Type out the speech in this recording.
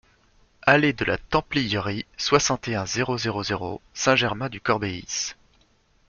Allée de la Templierie, soixante et un, zéro zéro zéro Saint-Germain-du-Corbéis